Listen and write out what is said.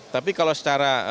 tapi kalau secara